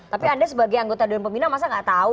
tapi anda sebagai anggota dewan pembina masa nggak tahu